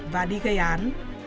và đi gây án